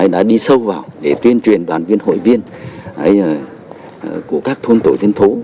đã đi sâu vào để tuyên truyền đoàn viên hội viên của các thôn tổ dân phố